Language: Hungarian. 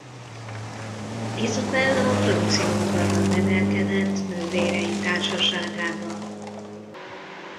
Izabella a francia udvarban nevelkedett nővérei társaságában.